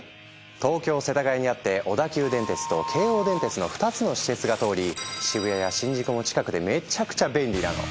東京世田谷にあって小田急電鉄と京王電鉄の２つの私鉄が通り渋谷や新宿も近くてめちゃくちゃ便利なの。